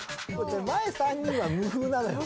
前３人は無風なのよ。